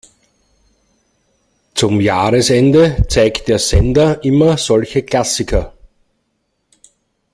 Zum Jahresende zeigt der Sender immer solche Klassiker.